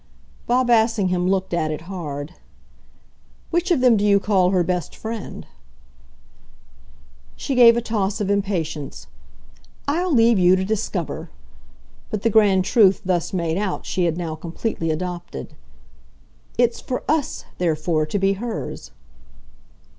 Bob Assingham looked at it hard. "Which of them do you call her best friend?" She gave a toss of impatience. "I'll leave you to discover!" But the grand truth thus made out she had now completely adopted. "It's for US, therefore, to be hers."